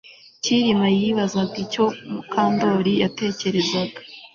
Kirima yibazaga icyo Mukandoli yatekerezaga